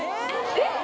えっ？